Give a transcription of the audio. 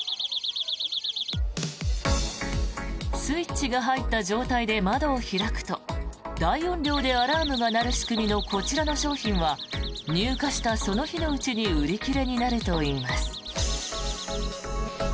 スイッチが入った状態で窓を開くと大音量でアラームが鳴る仕組みのこちらの商品は入荷したその日のうちに売り切れになるといいます。